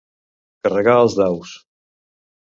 Carregar els daus.